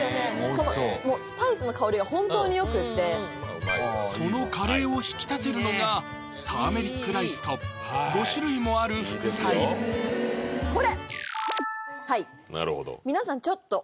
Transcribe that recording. このスパイスの香りが本当によくってそのカレーを引き立てるのがターメリックライスと５種類もある副菜これ！